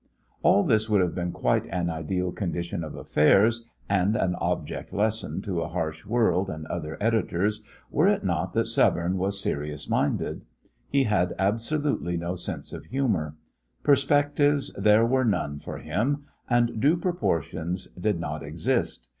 All this would have been quite an ideal condition of affairs, and an object lesson to a harsh world and other editors, were it not that Severne was serious minded. He had absolutely no sense of humour. Perspectives there were none for him, and due proportions did not exist.